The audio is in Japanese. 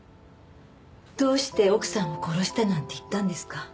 どうして奥さんを殺したなんて言ったんですか？